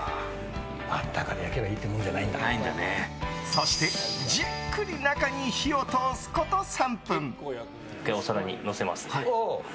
そして、じっくり中に火を通すこと３分。